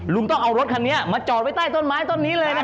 ลุงต้องเอารถคันนี้มาจอดไว้ใต้ต้นไม้ต้นนี้เลยนะ